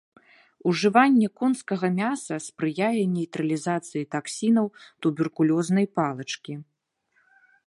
Ужыванне конскага мяса спрыяе нейтралізацыі таксінаў туберкулёзнай палачкі.